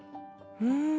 うん！